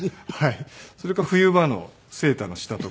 それか冬場のセーターの下とかに。